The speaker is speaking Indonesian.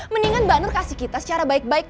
mendingan mbak nur kasih kita secara baik baik